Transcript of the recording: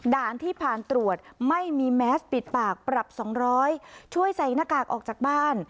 ด่านที่ผ่านตรวจไม่มีแมสปิดปากปรับ๒๐๐ช่วยใส่หน้ากากออกจากบ้าน